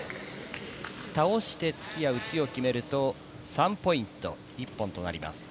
倒して突きや打ちを決めると３ポイント、１本となります。